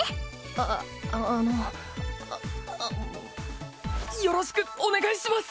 ああのあのよろしくお願いします！